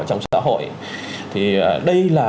trong xã hội thì đây là